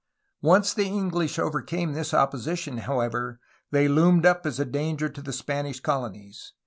Once the Enghsh overcame this opposition, how ever, they loomed up as a danger to the Spanish colonies.